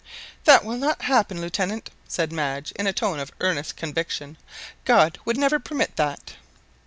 "That will not happen, Lieutenant," said Madge in a tone of earnest conviction; "God would never permit that."